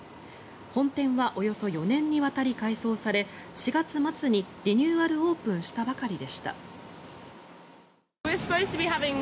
本店はおよそ４年にわたり改装され４月末にリニューアルオープンしたばかりでした。